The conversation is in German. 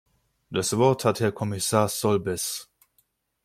Das Wort hat Herr Kommissar Solbes.